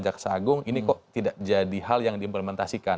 jaksa agung ini kok tidak jadi hal yang diimplementasikan